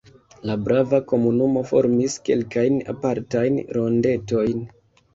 La brava komunumo formis kelkajn apartajn rondetojn.